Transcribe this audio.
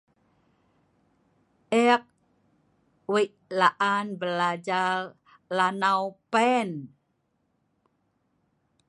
E’ik weik la’an belajar lanau pe’en